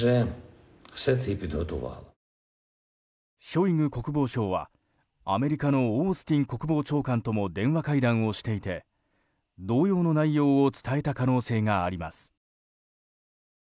ショイグ国防相は、アメリカのオースティン国防長官とも電話会談をしていて同様の内容を伝えた可能性があります。